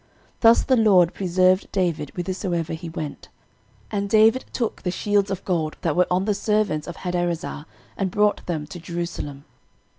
Thus the LORD preserved David whithersoever he went. 13:018:007 And David took the shields of gold that were on the servants of Hadarezer, and brought them to Jerusalem.